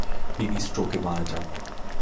তিনি স্ট্রোকে মারা যান।